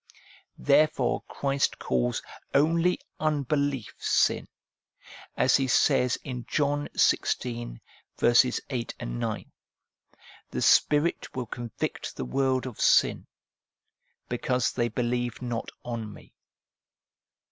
Therefore Christ calls only unbelief sin, as He says in John xvi. 8, 9, ' The Spirit will convict the world of sin, because they believe not on Me.'